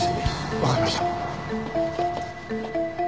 わかりました。